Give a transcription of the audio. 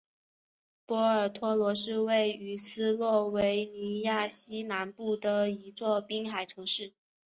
波尔托罗是位于斯洛维尼亚西南部的一座滨海城市。